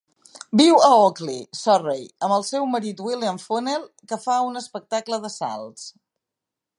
Viu a Ockley, Surrey amb el seu marit William Funnell que fa un espectacle de salts.